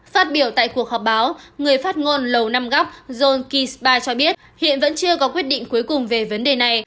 phát biểu tại cuộc họp báo người phát ngôn lầu năm góc john kisbai cho biết hiện vẫn chưa có quyết định cuối cùng về vấn đề này